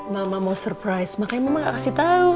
mama mau surprise makanya mama gak kasih tau